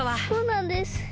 そうなんです！